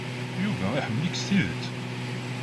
Yuba iḥemmel-ik s tidet.